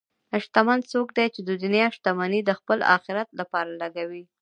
شتمن څوک دی چې د دنیا شتمني د خپل آخرت لپاره لګوي.